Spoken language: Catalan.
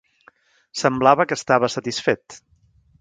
Semblava que estava satisfet.